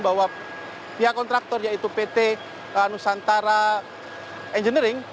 bahwa pihak kontraktor yaitu pt nusantara engineering